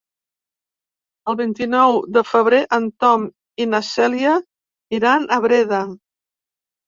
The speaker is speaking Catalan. El vint-i-nou de febrer en Tom i na Cèlia iran a Breda.